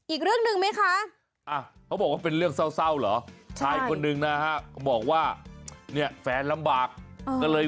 อีกเรื่องหนึ่งไหมคะ